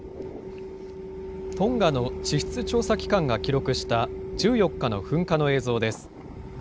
トンガの地質調査機関が記録した、１４日の噴火の映像です。